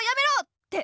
って。